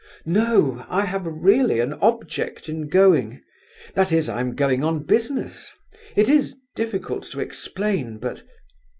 "No, I have really an object in going... That is, I am going on business it is difficult to explain, but..."